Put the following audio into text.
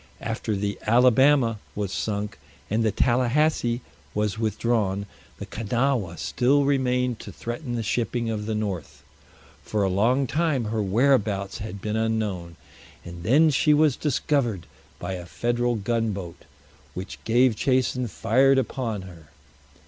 After the Alabama was sunk, and the Talahassee was withdrawn, the Kanawha still remained to threaten the shipping of the North. For a long time her whereabouts had been unknown, and then she was discovered by a Federal gunboat, which gave chase and fired upon her.